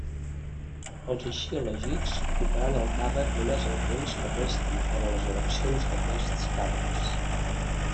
Els així elegits ocuparan el càrrec només el temps que resti per a les eleccions d'aquests càrrecs.